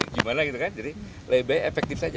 gimana gitu kan jadi lebih baik efektif saja